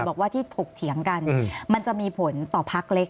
บอกว่าที่ถกเถียงกันมันจะมีผลต่อพักเล็ก